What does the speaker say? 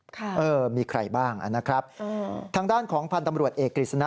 เออมีใครบ้างนะครับทางด้านของพันธ์ตำรวจเอกกฤษณะ